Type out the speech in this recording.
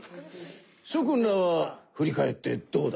しょ君らはふり返ってどうだ？